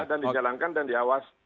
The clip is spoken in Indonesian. dan dijalankan dan diawas